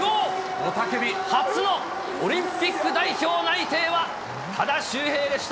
雄たけび、初のオリンピック代表内定は、多田修平でした。